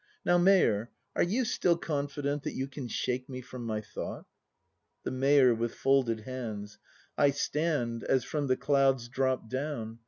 — Now, Mayor, are you still confident That you can shake me from my thought } The Mayor. [With folded ha)ids.] I stand — as from the clouds dropp'd down!